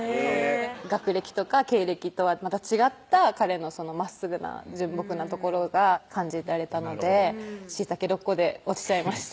学歴とか経歴とはまた違った彼のまっすぐな純朴なところが感じられたので椎茸６個で落ちちゃいました